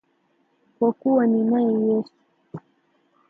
Kwa kuwa ninaye Yesu.